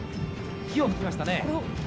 火を噴きましたね。